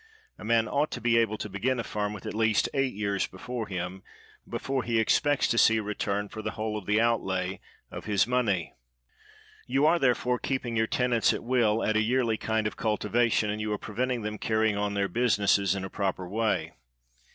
A man ought to be able to begin a farm with at least eight years before him, before he expects to see a return for the whole of the outlay of his iv u 161 THE WORLD'S FAMOUS ORATIONS money. You are, therefore, keeping your ten ants at will at a yearly kind of cultivation, and you are preventing them carrying on their busi nesses in a proper way.